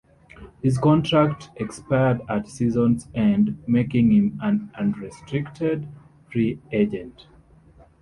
His contract expired at season's end, making him an unrestricted free agent.